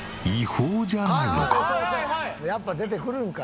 やっぱ出てくるんか。